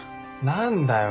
何だよ。